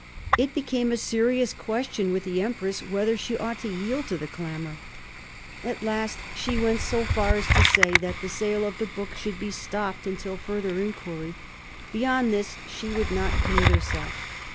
It became a serious question with the empress whether she ought to yield to the clamour. At last she went so far as to say that the sale of the book should be stopped until further enquiry; beyond this she would not commit herself.